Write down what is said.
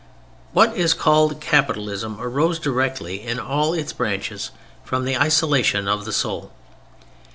What is called "Capitalism" arose directly in all its branches from the isolation of the soul.